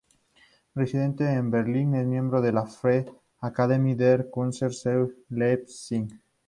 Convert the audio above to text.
Reside en Berlín y es miembro de la "Freie Akademie der Künste zu Leipzig".